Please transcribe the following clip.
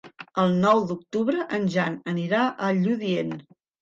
El nou d'octubre en Jan anirà a Lludient.